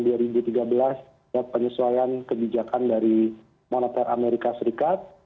dan penyesuaian kebijakan dari moneter amerika serikat